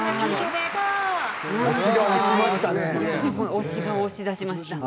推しが押し出しましたね。